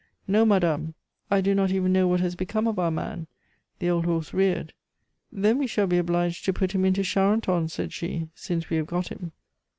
"No, madame. I do not even know what has become of our man. The old horse reared." "Then we shall be obliged to put him into Charenton," said she, "since we have got him."